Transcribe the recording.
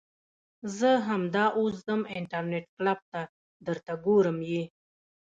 زه همدا اوس ځم انترنيټ کلپ ته درته ګورم يې .